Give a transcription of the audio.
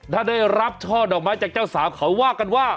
ถ้าได้รับช่อดอกไม้จากเจ้าสาวเขาว่ากันว่า